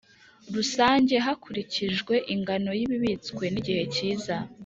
Rusange hakurikijwe ingano y ibibitswe n igihe cyiza